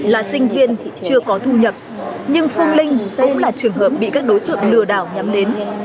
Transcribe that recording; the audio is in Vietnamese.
là sinh viên thì chưa có thu nhập nhưng phương linh cũng là trường hợp bị các đối tượng lừa đảo nhắm đến